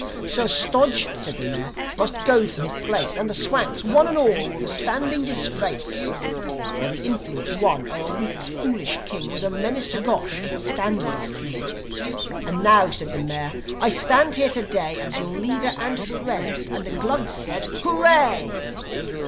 Sir Stodge (said the Mayor), must go from his place; And the Swanks, one and all, were a standing disgrace! For the influence won o'er a weak, foolish king Was a menace to Gosh, and a scandalous thing! "And now," said the Mayor, "I stand here to day As your leader and friend." And the Glugs said, "Hooray!"